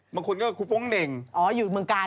เป็นครูป้องเหน็ง